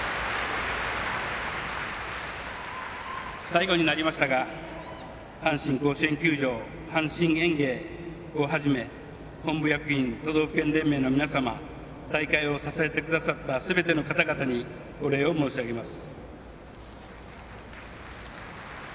最後になりましたが阪神甲子園球場阪神園芸をはじめ本部役員、都道府県連盟の皆様大会を支えてくださったすべての方々にお礼を申し上げます。